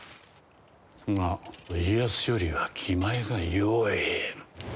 が家康よりは気前がよい。